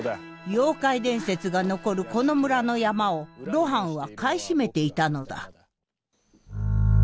妖怪伝説が残るこの村の山を露伴は買い占めていたのだ。